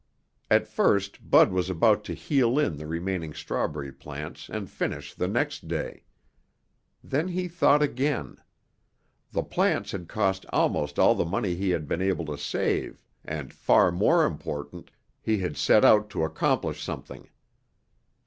At first Bud was about to heel in the remaining strawberry plants and finish the next day. Then he thought again. The plants had cost almost all the money he had been able to save and, far more important, he had set out to accomplish something.